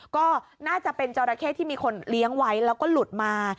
ก็น่าจะเป็นจราเข้ที่มีคนเลี้ยงไว้แล้วก็หลุดมา